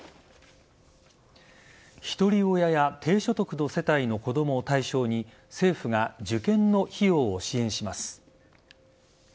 ひとり親や低所得の世帯の子供を対象に政府が、受験の費用を支援します。